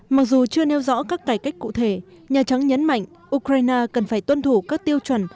mặc dù chưa nêu rõ các cải cách cụ thể nhà trắng nhấn mạnh ukraine cần phải tuân thủ các tiêu chuẩn